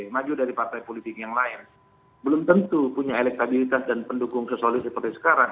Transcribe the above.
maju dari partai politik yang lain belum tentu punya elektabilitas dan pendukung sesolid seperti sekarang